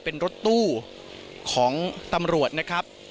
เป็นรถตู้ของตำรวจนะครับ